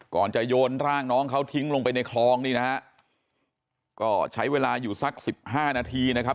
ก่อนจะโยนร่างน้องเขาทิ้งลงไปในคลองนี่นะฮะก็ใช้เวลาอยู่สักสิบห้านาทีนะครับ